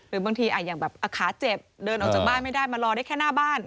บางทีอย่างแบบขาเจ็บเดินออกจากบ้านไม่ได้มารอได้แค่หน้าบ้าน